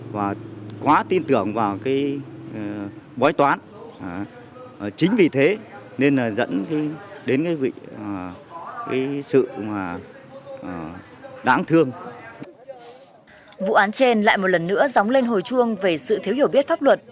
vụ án trên lại một lần nữa dóng lên hồi chuông về sự thiếu hiểu biết pháp luật